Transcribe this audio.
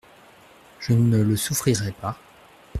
Je ne le souffrirais pas.